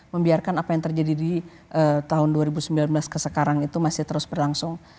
membiarkan apa yang terjadi di tahun dua ribu sembilan belas ke sekarang itu masih terus berlangsung